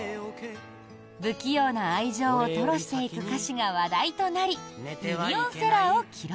不器用な愛情を吐露していく歌詞が話題となりミリオンセラーを記録。